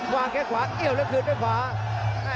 วางแค่ขวาเกี่ยวแล้วคืนไปขวา